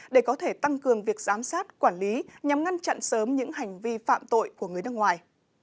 để có thể tăng cường việc giám sát quản lý nhằm ngăn chặn sớm những hành vi phạm tội của người nước ngoài